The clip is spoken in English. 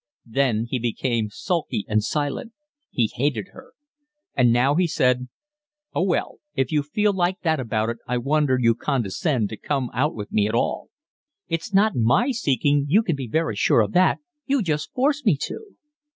Then he became sulky and silent. He hated her. And now he said: "Oh, well, if you feel like that about it I wonder you condescend to come out with me at all." "It's not my seeking, you can be very sure of that, you just force me to."